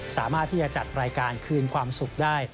สามารถที่จะจัดรายการคืนความสุขได้